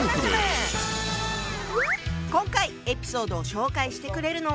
今回エピソードを紹介してくれるのは。